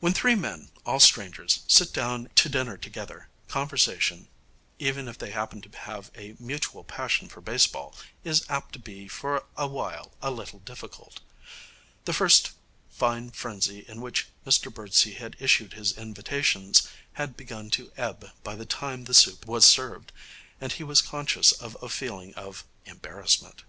When three men, all strangers, sit down to dinner together, conversation, even if they happen to have a mutual passion for baseball, is apt to be for a while a little difficult. The first fine frenzy in which Mr Birdsey had issued his invitations had begun to ebb by the time the soup was served, and he was conscious of a feeling of embarrassment.